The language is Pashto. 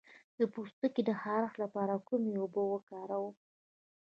د پوستکي د خارښ لپاره کومې اوبه وکاروم؟